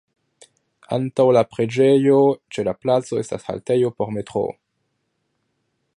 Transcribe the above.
Antaŭ la preĝejo ĉe la placo estas haltejo por metroo.